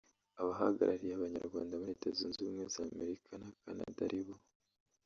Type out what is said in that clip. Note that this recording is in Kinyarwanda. Abahagarariye Abanyarwanda muri Leta Zunze Ubumwe z’Amerika na Canada aribo